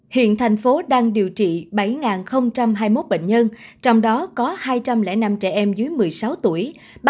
hiện thành phố đang điều trị bảy hai mươi một bệnh nhân trong đó có hai trăm linh năm trẻ em dưới một mươi sáu tuổi